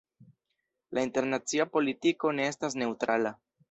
La internacia politiko ne estas neŭtrala.